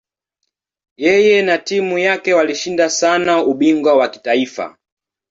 Yeye na timu yake walishinda sana ubingwa wa kitaifa.